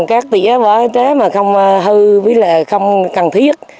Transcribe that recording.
các tỉa bỏ trái mà không hư không cần thiết